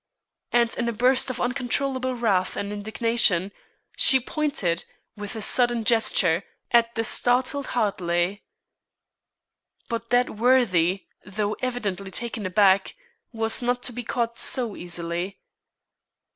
And in a burst of uncontrollable wrath and indignation, she pointed, with a sudden gesture, at the startled Hartley. But that worthy, though evidently taken aback, was not to be caught so easily.